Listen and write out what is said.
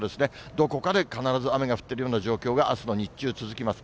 どこかで必ず雨が降ってるような状況があすの日中、続きます。